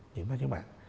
những cái chí mạng